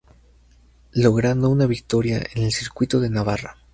Logrando una victoria en el circuito de Navarra.